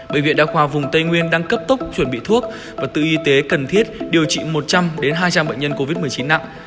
bệnh viện đa khoa vùng tây nguyên đang cấp tốc chuẩn bị thuốc và tự y tế cần thiết điều trị một trăm linh hai trăm linh bệnh nhân covid một mươi chín nặng